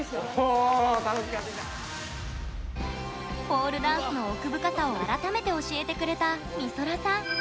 ポールダンスの奥深さを改めて教えてくれたみそらさん。